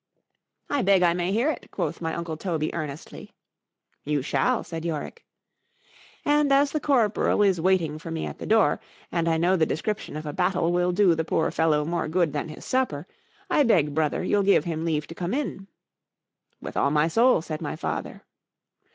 ——I beg I may hear it, quoth my uncle Toby earnestly.—You shall, said Yorick.—And as the corporal is waiting for me at the door,—and I know the description of a battle will do the poor fellow more good than his supper,—I beg, brother, you'll give him leave to come in.—With all my soul, said my father.